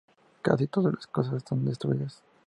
Casi todas las casas están destruidas.